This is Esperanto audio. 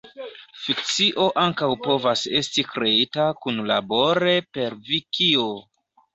Fikcio ankaŭ povas esti kreita kunlabore per vikio.